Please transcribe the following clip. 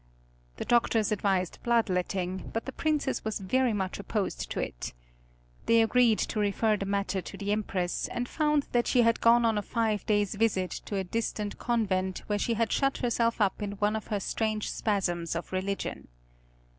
The doctors advised blood letting but the Princess was very much opposed to it. They agreed to refer the matter to the Empress, and found that she had gone on a five days' visit to a distant convent where she had shut herself up in one of her strange spasms of religion.